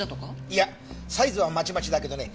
いやサイズはまちまちだけどね